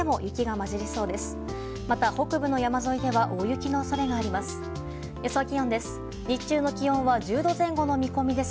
また、北部の山沿いでは大雪の恐れがあります。